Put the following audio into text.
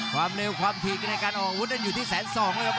ความเร็วความถี่ในการออกอาวุธนั้นอยู่ที่แสนสองนะครับ